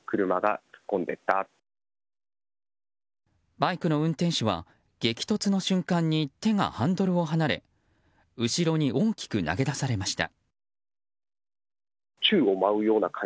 バイクの運転手は激突の瞬間に手がハンドルから離れ後ろに大きく投げ出されました。